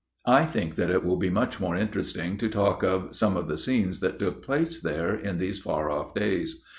] I think that it will be much more interesting to talk of some of the scenes that took place there in these far off days.